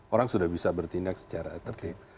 orang sudah bisa bertindak secara tertib